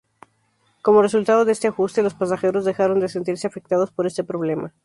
Como resultado de este ajuste, los pasajeros dejaron de sentirse afectados por este problema.